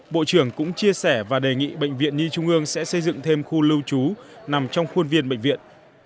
bộ trưởng cũng chia sẻ và đề nghị bệnh viện nhi trung ương sẽ xây dựng thêm khu lưu trú nằm trong khuôn viên bệnh viện